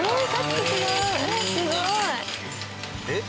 すごい！え？